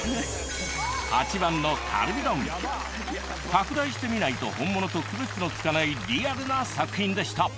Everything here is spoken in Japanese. ８番の拡大してみないと本物と区別のつかないリアルな作品でした。